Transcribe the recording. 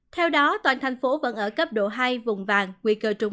theo đó toàn thành phố vẫn ở cấp độ hai vùng vàng